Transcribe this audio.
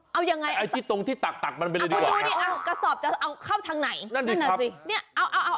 เอายังไงเอาที่ตรงที่ตักมันไปเลยดีกว่าครับเอาที่ตรงที่ตักมันไปเลยดีกว่าครับ